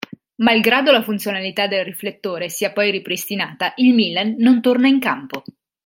Malgrado la funzionalità del riflettore sia poi ripristinata, il Milan non torna in campo.